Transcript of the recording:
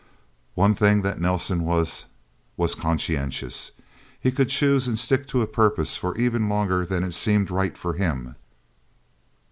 One thing that Nelsen was, was conscientious. He could choose and stick to a purpose for even longer than it seemed right for him.